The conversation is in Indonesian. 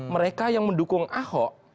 mereka yang mendukung aho